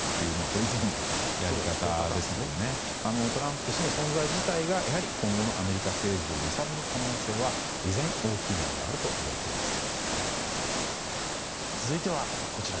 これはいつものやり方ですがトランプ氏の存在自体が今後のアメリカ政治を揺さぶる可能性は依然、大きいものがあるといわれています。